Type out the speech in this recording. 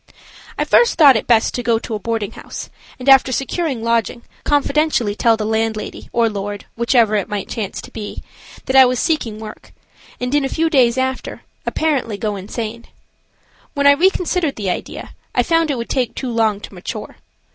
I first thought it best to go to a boarding house, and, after securing lodging, confidentially tell the landlady, or lord, whichever it might chance to be, that I was seeking work, and, in a few days after, apparently go insane. When I reconsidered the idea, I feared it would take too long to mature.